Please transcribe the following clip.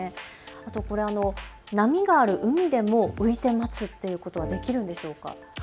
あと波がある海でも浮いて待つということはできるんでしょうか。